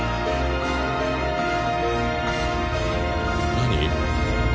何？